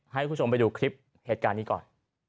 ให้คุณผู้ชมไปดูคลิปเหตุการณ์นี้ก่อน